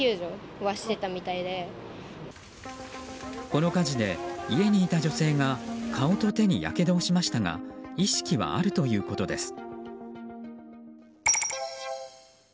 この火事で家にいた女性が顔と手にやけどをしましたが意識はあるということです。